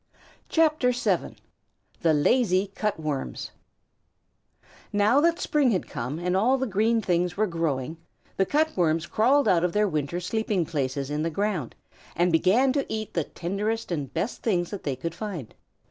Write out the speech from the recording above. THE LAZY CUT WORMS Now that spring had come and all the green things were growing, the Cut Worms crawled out of their winter sleeping places in the ground, and began to eat the tenderest and best things that they could find.